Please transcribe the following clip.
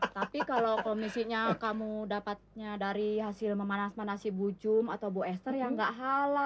tapi kalau komisinya kamu dapatnya dari hasil memanas manasi bu jum atau bu ester ya enggak halal